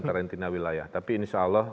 karantina wilayah tapi insya allah